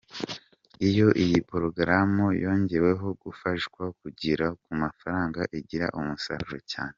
Iyo iyi porogaramu yongeweho gufashwa kugera ku mafaranga igira umusaruro cyane.